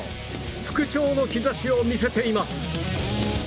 復調の兆しを見せています。